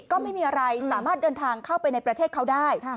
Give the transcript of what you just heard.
ก็ไม่มีอะไรสามารถเดินทางเข้าไปในประเทศเขาได้